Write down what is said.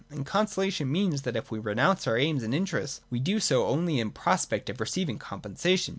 And Consolation means that, if we renounce our aims and interests, we do so only in prospect of receiving compensation.